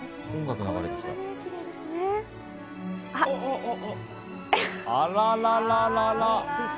あらららら。